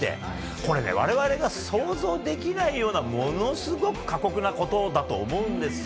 これね、我々が想像できないようなものすごく過酷なことだと思うんですよ。